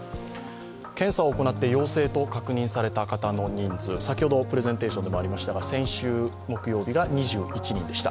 検査を行って陽性と確認された方の人数、先ほどプレゼンテーションでもありましたが先週木曜日が２１人でした。